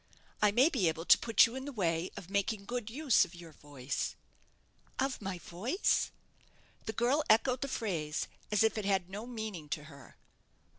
I may be able to put you in the way of making good use of your voice." "Of my voice!" The girl echoed the phrase as if it had no meaning to her.